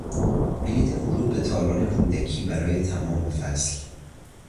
بلیط ورود به تالار رودکی برای تمام فصل